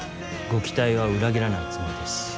ご期待は裏切らないつもりです。